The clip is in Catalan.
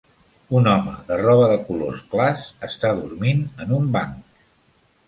Un home de roba de colors clars està dormint en un banc.